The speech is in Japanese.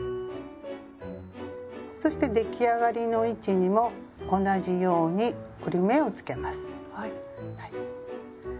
そして出来上がりの位置にも同じように折り目をつけます。